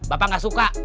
bapak gak suka